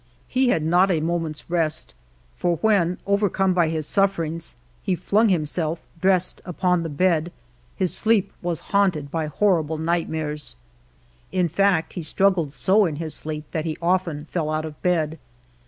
He had not a moment's rest, for when, overcome by his sufferings, he flung himself, dressed, upon the bed, his sleep was haunted by horrible nightmares. In fact, he struggled so in his sleep that he often fell out of bed.